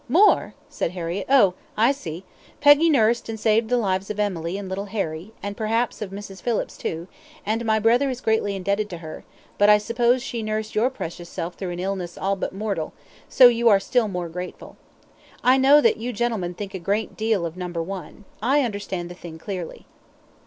"More!" said Harriett; "oh! I see. Peggy nursed and saved the lives of Emily and little Harry, and perhaps of Mrs. Phillips, too, and my brother is greatly indebted to her; but I suppose she nursed your precious self through an illness all but mortal, so you are still more grateful. I know that you gentlemen think a great deal of number one. I understand the thing clearly."